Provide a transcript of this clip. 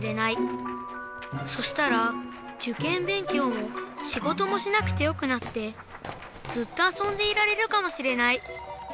そしたらじゅけんべんきょうもしごともしなくてよくなってずっとあそんでいられるかもしれない。